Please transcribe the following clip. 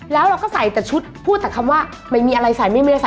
แล้วเราก็ใส่แต่ชุดพูดแต่คำว่าไม่มีอะไรใส่ไม่มีอะไรใส่